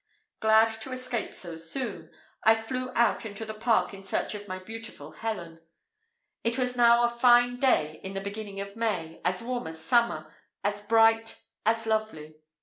Glad to escape so soon, I flew out into the park in search of my beautiful Helen. It was now a fine day in the beginning of May, as warm as summer as bright, as lovely.